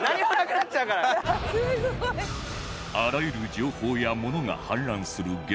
あらゆる情報や物が氾濫する現代